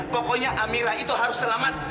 pokoknya amirah itu harus selamat